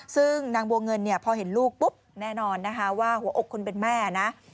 ซึ่งนางบัวเงินเนี่ยพอเห็นลูกปุ๊บแน่นอนนะคะว่าหัวอกคนเป็นแม่นะ